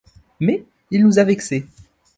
Mais il nous a vexés.